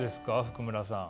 福村さん。